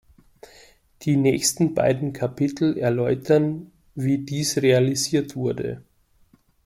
Die nächsten beiden Kapiteln erläutern, wie dies realisiert wurde.